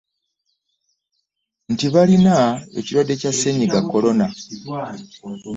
Nti balina ekirwadde kya Ssennyiga Corona